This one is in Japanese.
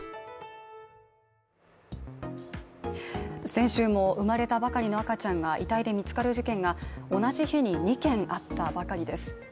先週も生まれたばかりの赤ちゃんが遺体で見つかる事件が同じ日に２件あったばかりです。